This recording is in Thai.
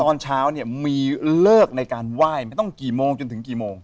ตอนเช้าเนี่ยมีเลิกในการไหว้ต้องกี่โมงจนถึงกี่โมง